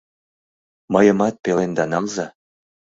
— Мыйымат пеленда налза!